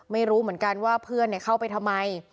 ไม่รู้เหมือนกันว่าเพื่อนเข้าไปทำไม